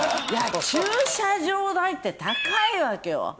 駐車場代って高いわけよ。